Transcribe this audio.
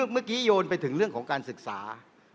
เมื่อกี้โยนไปถึงเรื่องของการศึกษา